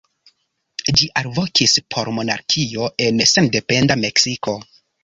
Ĝi alvokis por monarkio en sendependa Meksiko.